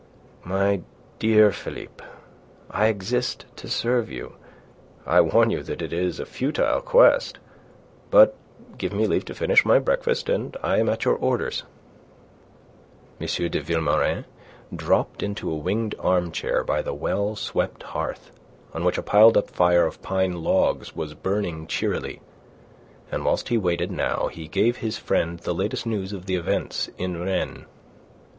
"My dear Philippe, I exist to serve you. I warn you that it is a futile quest; but give me leave to finish my breakfast, and I am at your orders." M. de Vilmorin dropped into a winged armchair by the well swept hearth, on which a piled up fire of pine logs was burning cheerily. And whilst he waited now he gave his friend the latest news of the events in Rennes.